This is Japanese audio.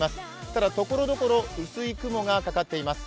ただ、ところどころ薄い雲がかかっています。